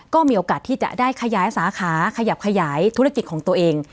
ก็มีโอกาสที่จะได้ขยายสาขาขยับขยายธุรกิจของตัวเอง